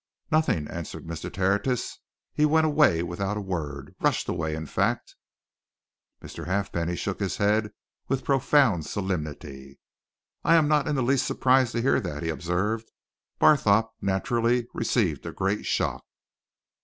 "Nothing!" answered Mr. Tertius. "He went away without a word rushed away, in fact." Mr. Halfpenny shook his head with profound solemnity. "I am not in the least surprised to hear that," he observed. "Barthorpe naturally received a great shock.